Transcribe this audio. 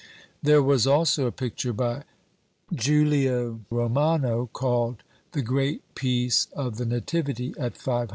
There was also a picture by Julio Romano, called "The great piece of the Nativity," at £500.